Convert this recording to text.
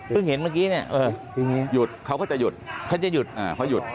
เพิ่งเห็นเมื่อกี้อย่างนี้เขาก็จะหยุด